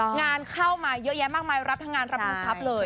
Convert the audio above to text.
งานเข้ามาเยอะแยะมากมายรับทั้งงานรับรู้ทรัพย์เลย